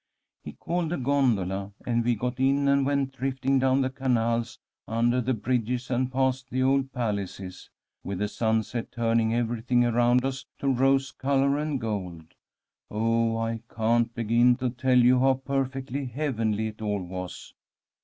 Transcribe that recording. He called a gondola, and we got in and went drifting down the canals under the bridges and past the old palaces, with the sunset turning everything around us to rose colour and gold. Oh, I can't begin to tell you how perfectly heavenly it all was.